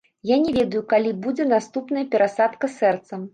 Я не ведаю, калі будзе наступная перасадка сэрца.